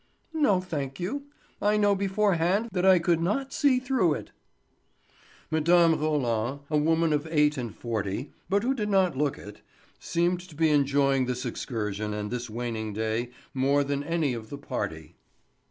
"No, thank you. I know beforehand that I could not see through it." Mme. Roland, a woman of eight and forty but who did not look it, seemed to be enjoying this excursion and this waning day more than any of the party.